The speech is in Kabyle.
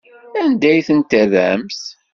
Anda ay ten-terramt?